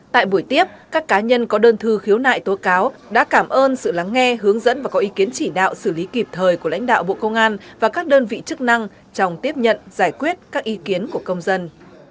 tại buổi tiếp các cá nhân có đơn thư khiếu nại tố cáo đã cảm ơn sự lắng nghe hướng dẫn và có ý kiến chỉ đạo xử lý kịp thời của lãnh đạo bộ công an và các đơn vị chức năng trong tiếp nhận giải quyết các ý kiến của công dân